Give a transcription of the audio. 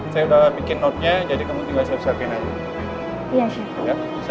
saya udah bikin notenya jadi kamu tinggal siap siapin aja